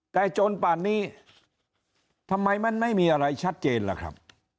แต่จนป่านนี้ทำไมมันไม่มีอะไรชัดเจนล่ะครับ